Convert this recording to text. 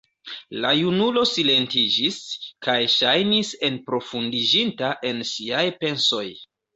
La junulo silentiĝis, kaj ŝajnis enprofundiĝinta en siaj pensoj.